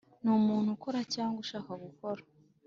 Ni umuntu ukora cyangwa ushaka gukora